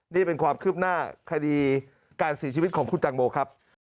นี่เป็นความคืบหน้าคดีการเสียชีวิตของคุณตังโมครับ